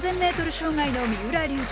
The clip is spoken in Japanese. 障害の三浦龍司。